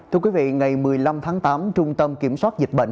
thưa quý vị ngày một mươi năm tháng tám trung tâm kiểm soát dịch bệnh